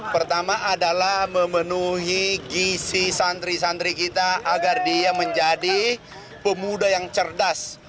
pertama adalah memenuhi gisi santri santri kita agar dia menjadi pemuda yang cerdas